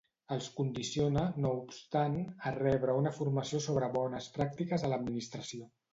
Els condiciona, no obstant, a rebre una formació sobre bones pràctiques a l'administració.